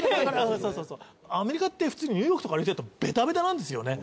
アメリカって普通にニューヨークとか歩いてるとベタベタなんですよね。